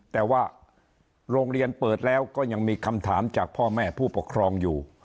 แต่ว่าโรงเรียนเปิดแล้วก็ยังมีคำถามจากพ่อแม่ผู้ปกครองอยู่